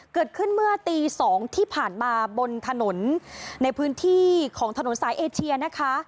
เกิดขึ้นเมื่อตี๒ที่ผ่านมาบนถนนในพื้นที่ของถนนสายเอเชียนะคะ